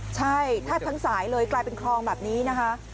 ใช่แทบทั้งสายเลยกลายเป็นคลองแบบนี้นะคะ